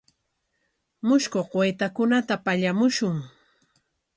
Mushkuq waytakunata pallamushun.